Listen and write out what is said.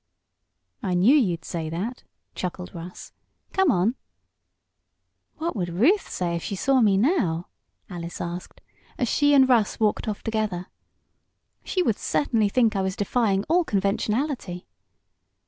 "I knew you'd say that," chuckled Russ. "Come on." "What would Ruth say if she saw me now?" Alice asked, as she and Russ walked off together. "She would certainly think I was defying all conventionality."